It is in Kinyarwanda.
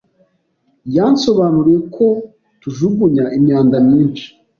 Yansobanuriye ko tujugunya imyanda myinshi.